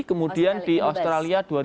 kemudian di australia dua ribu empat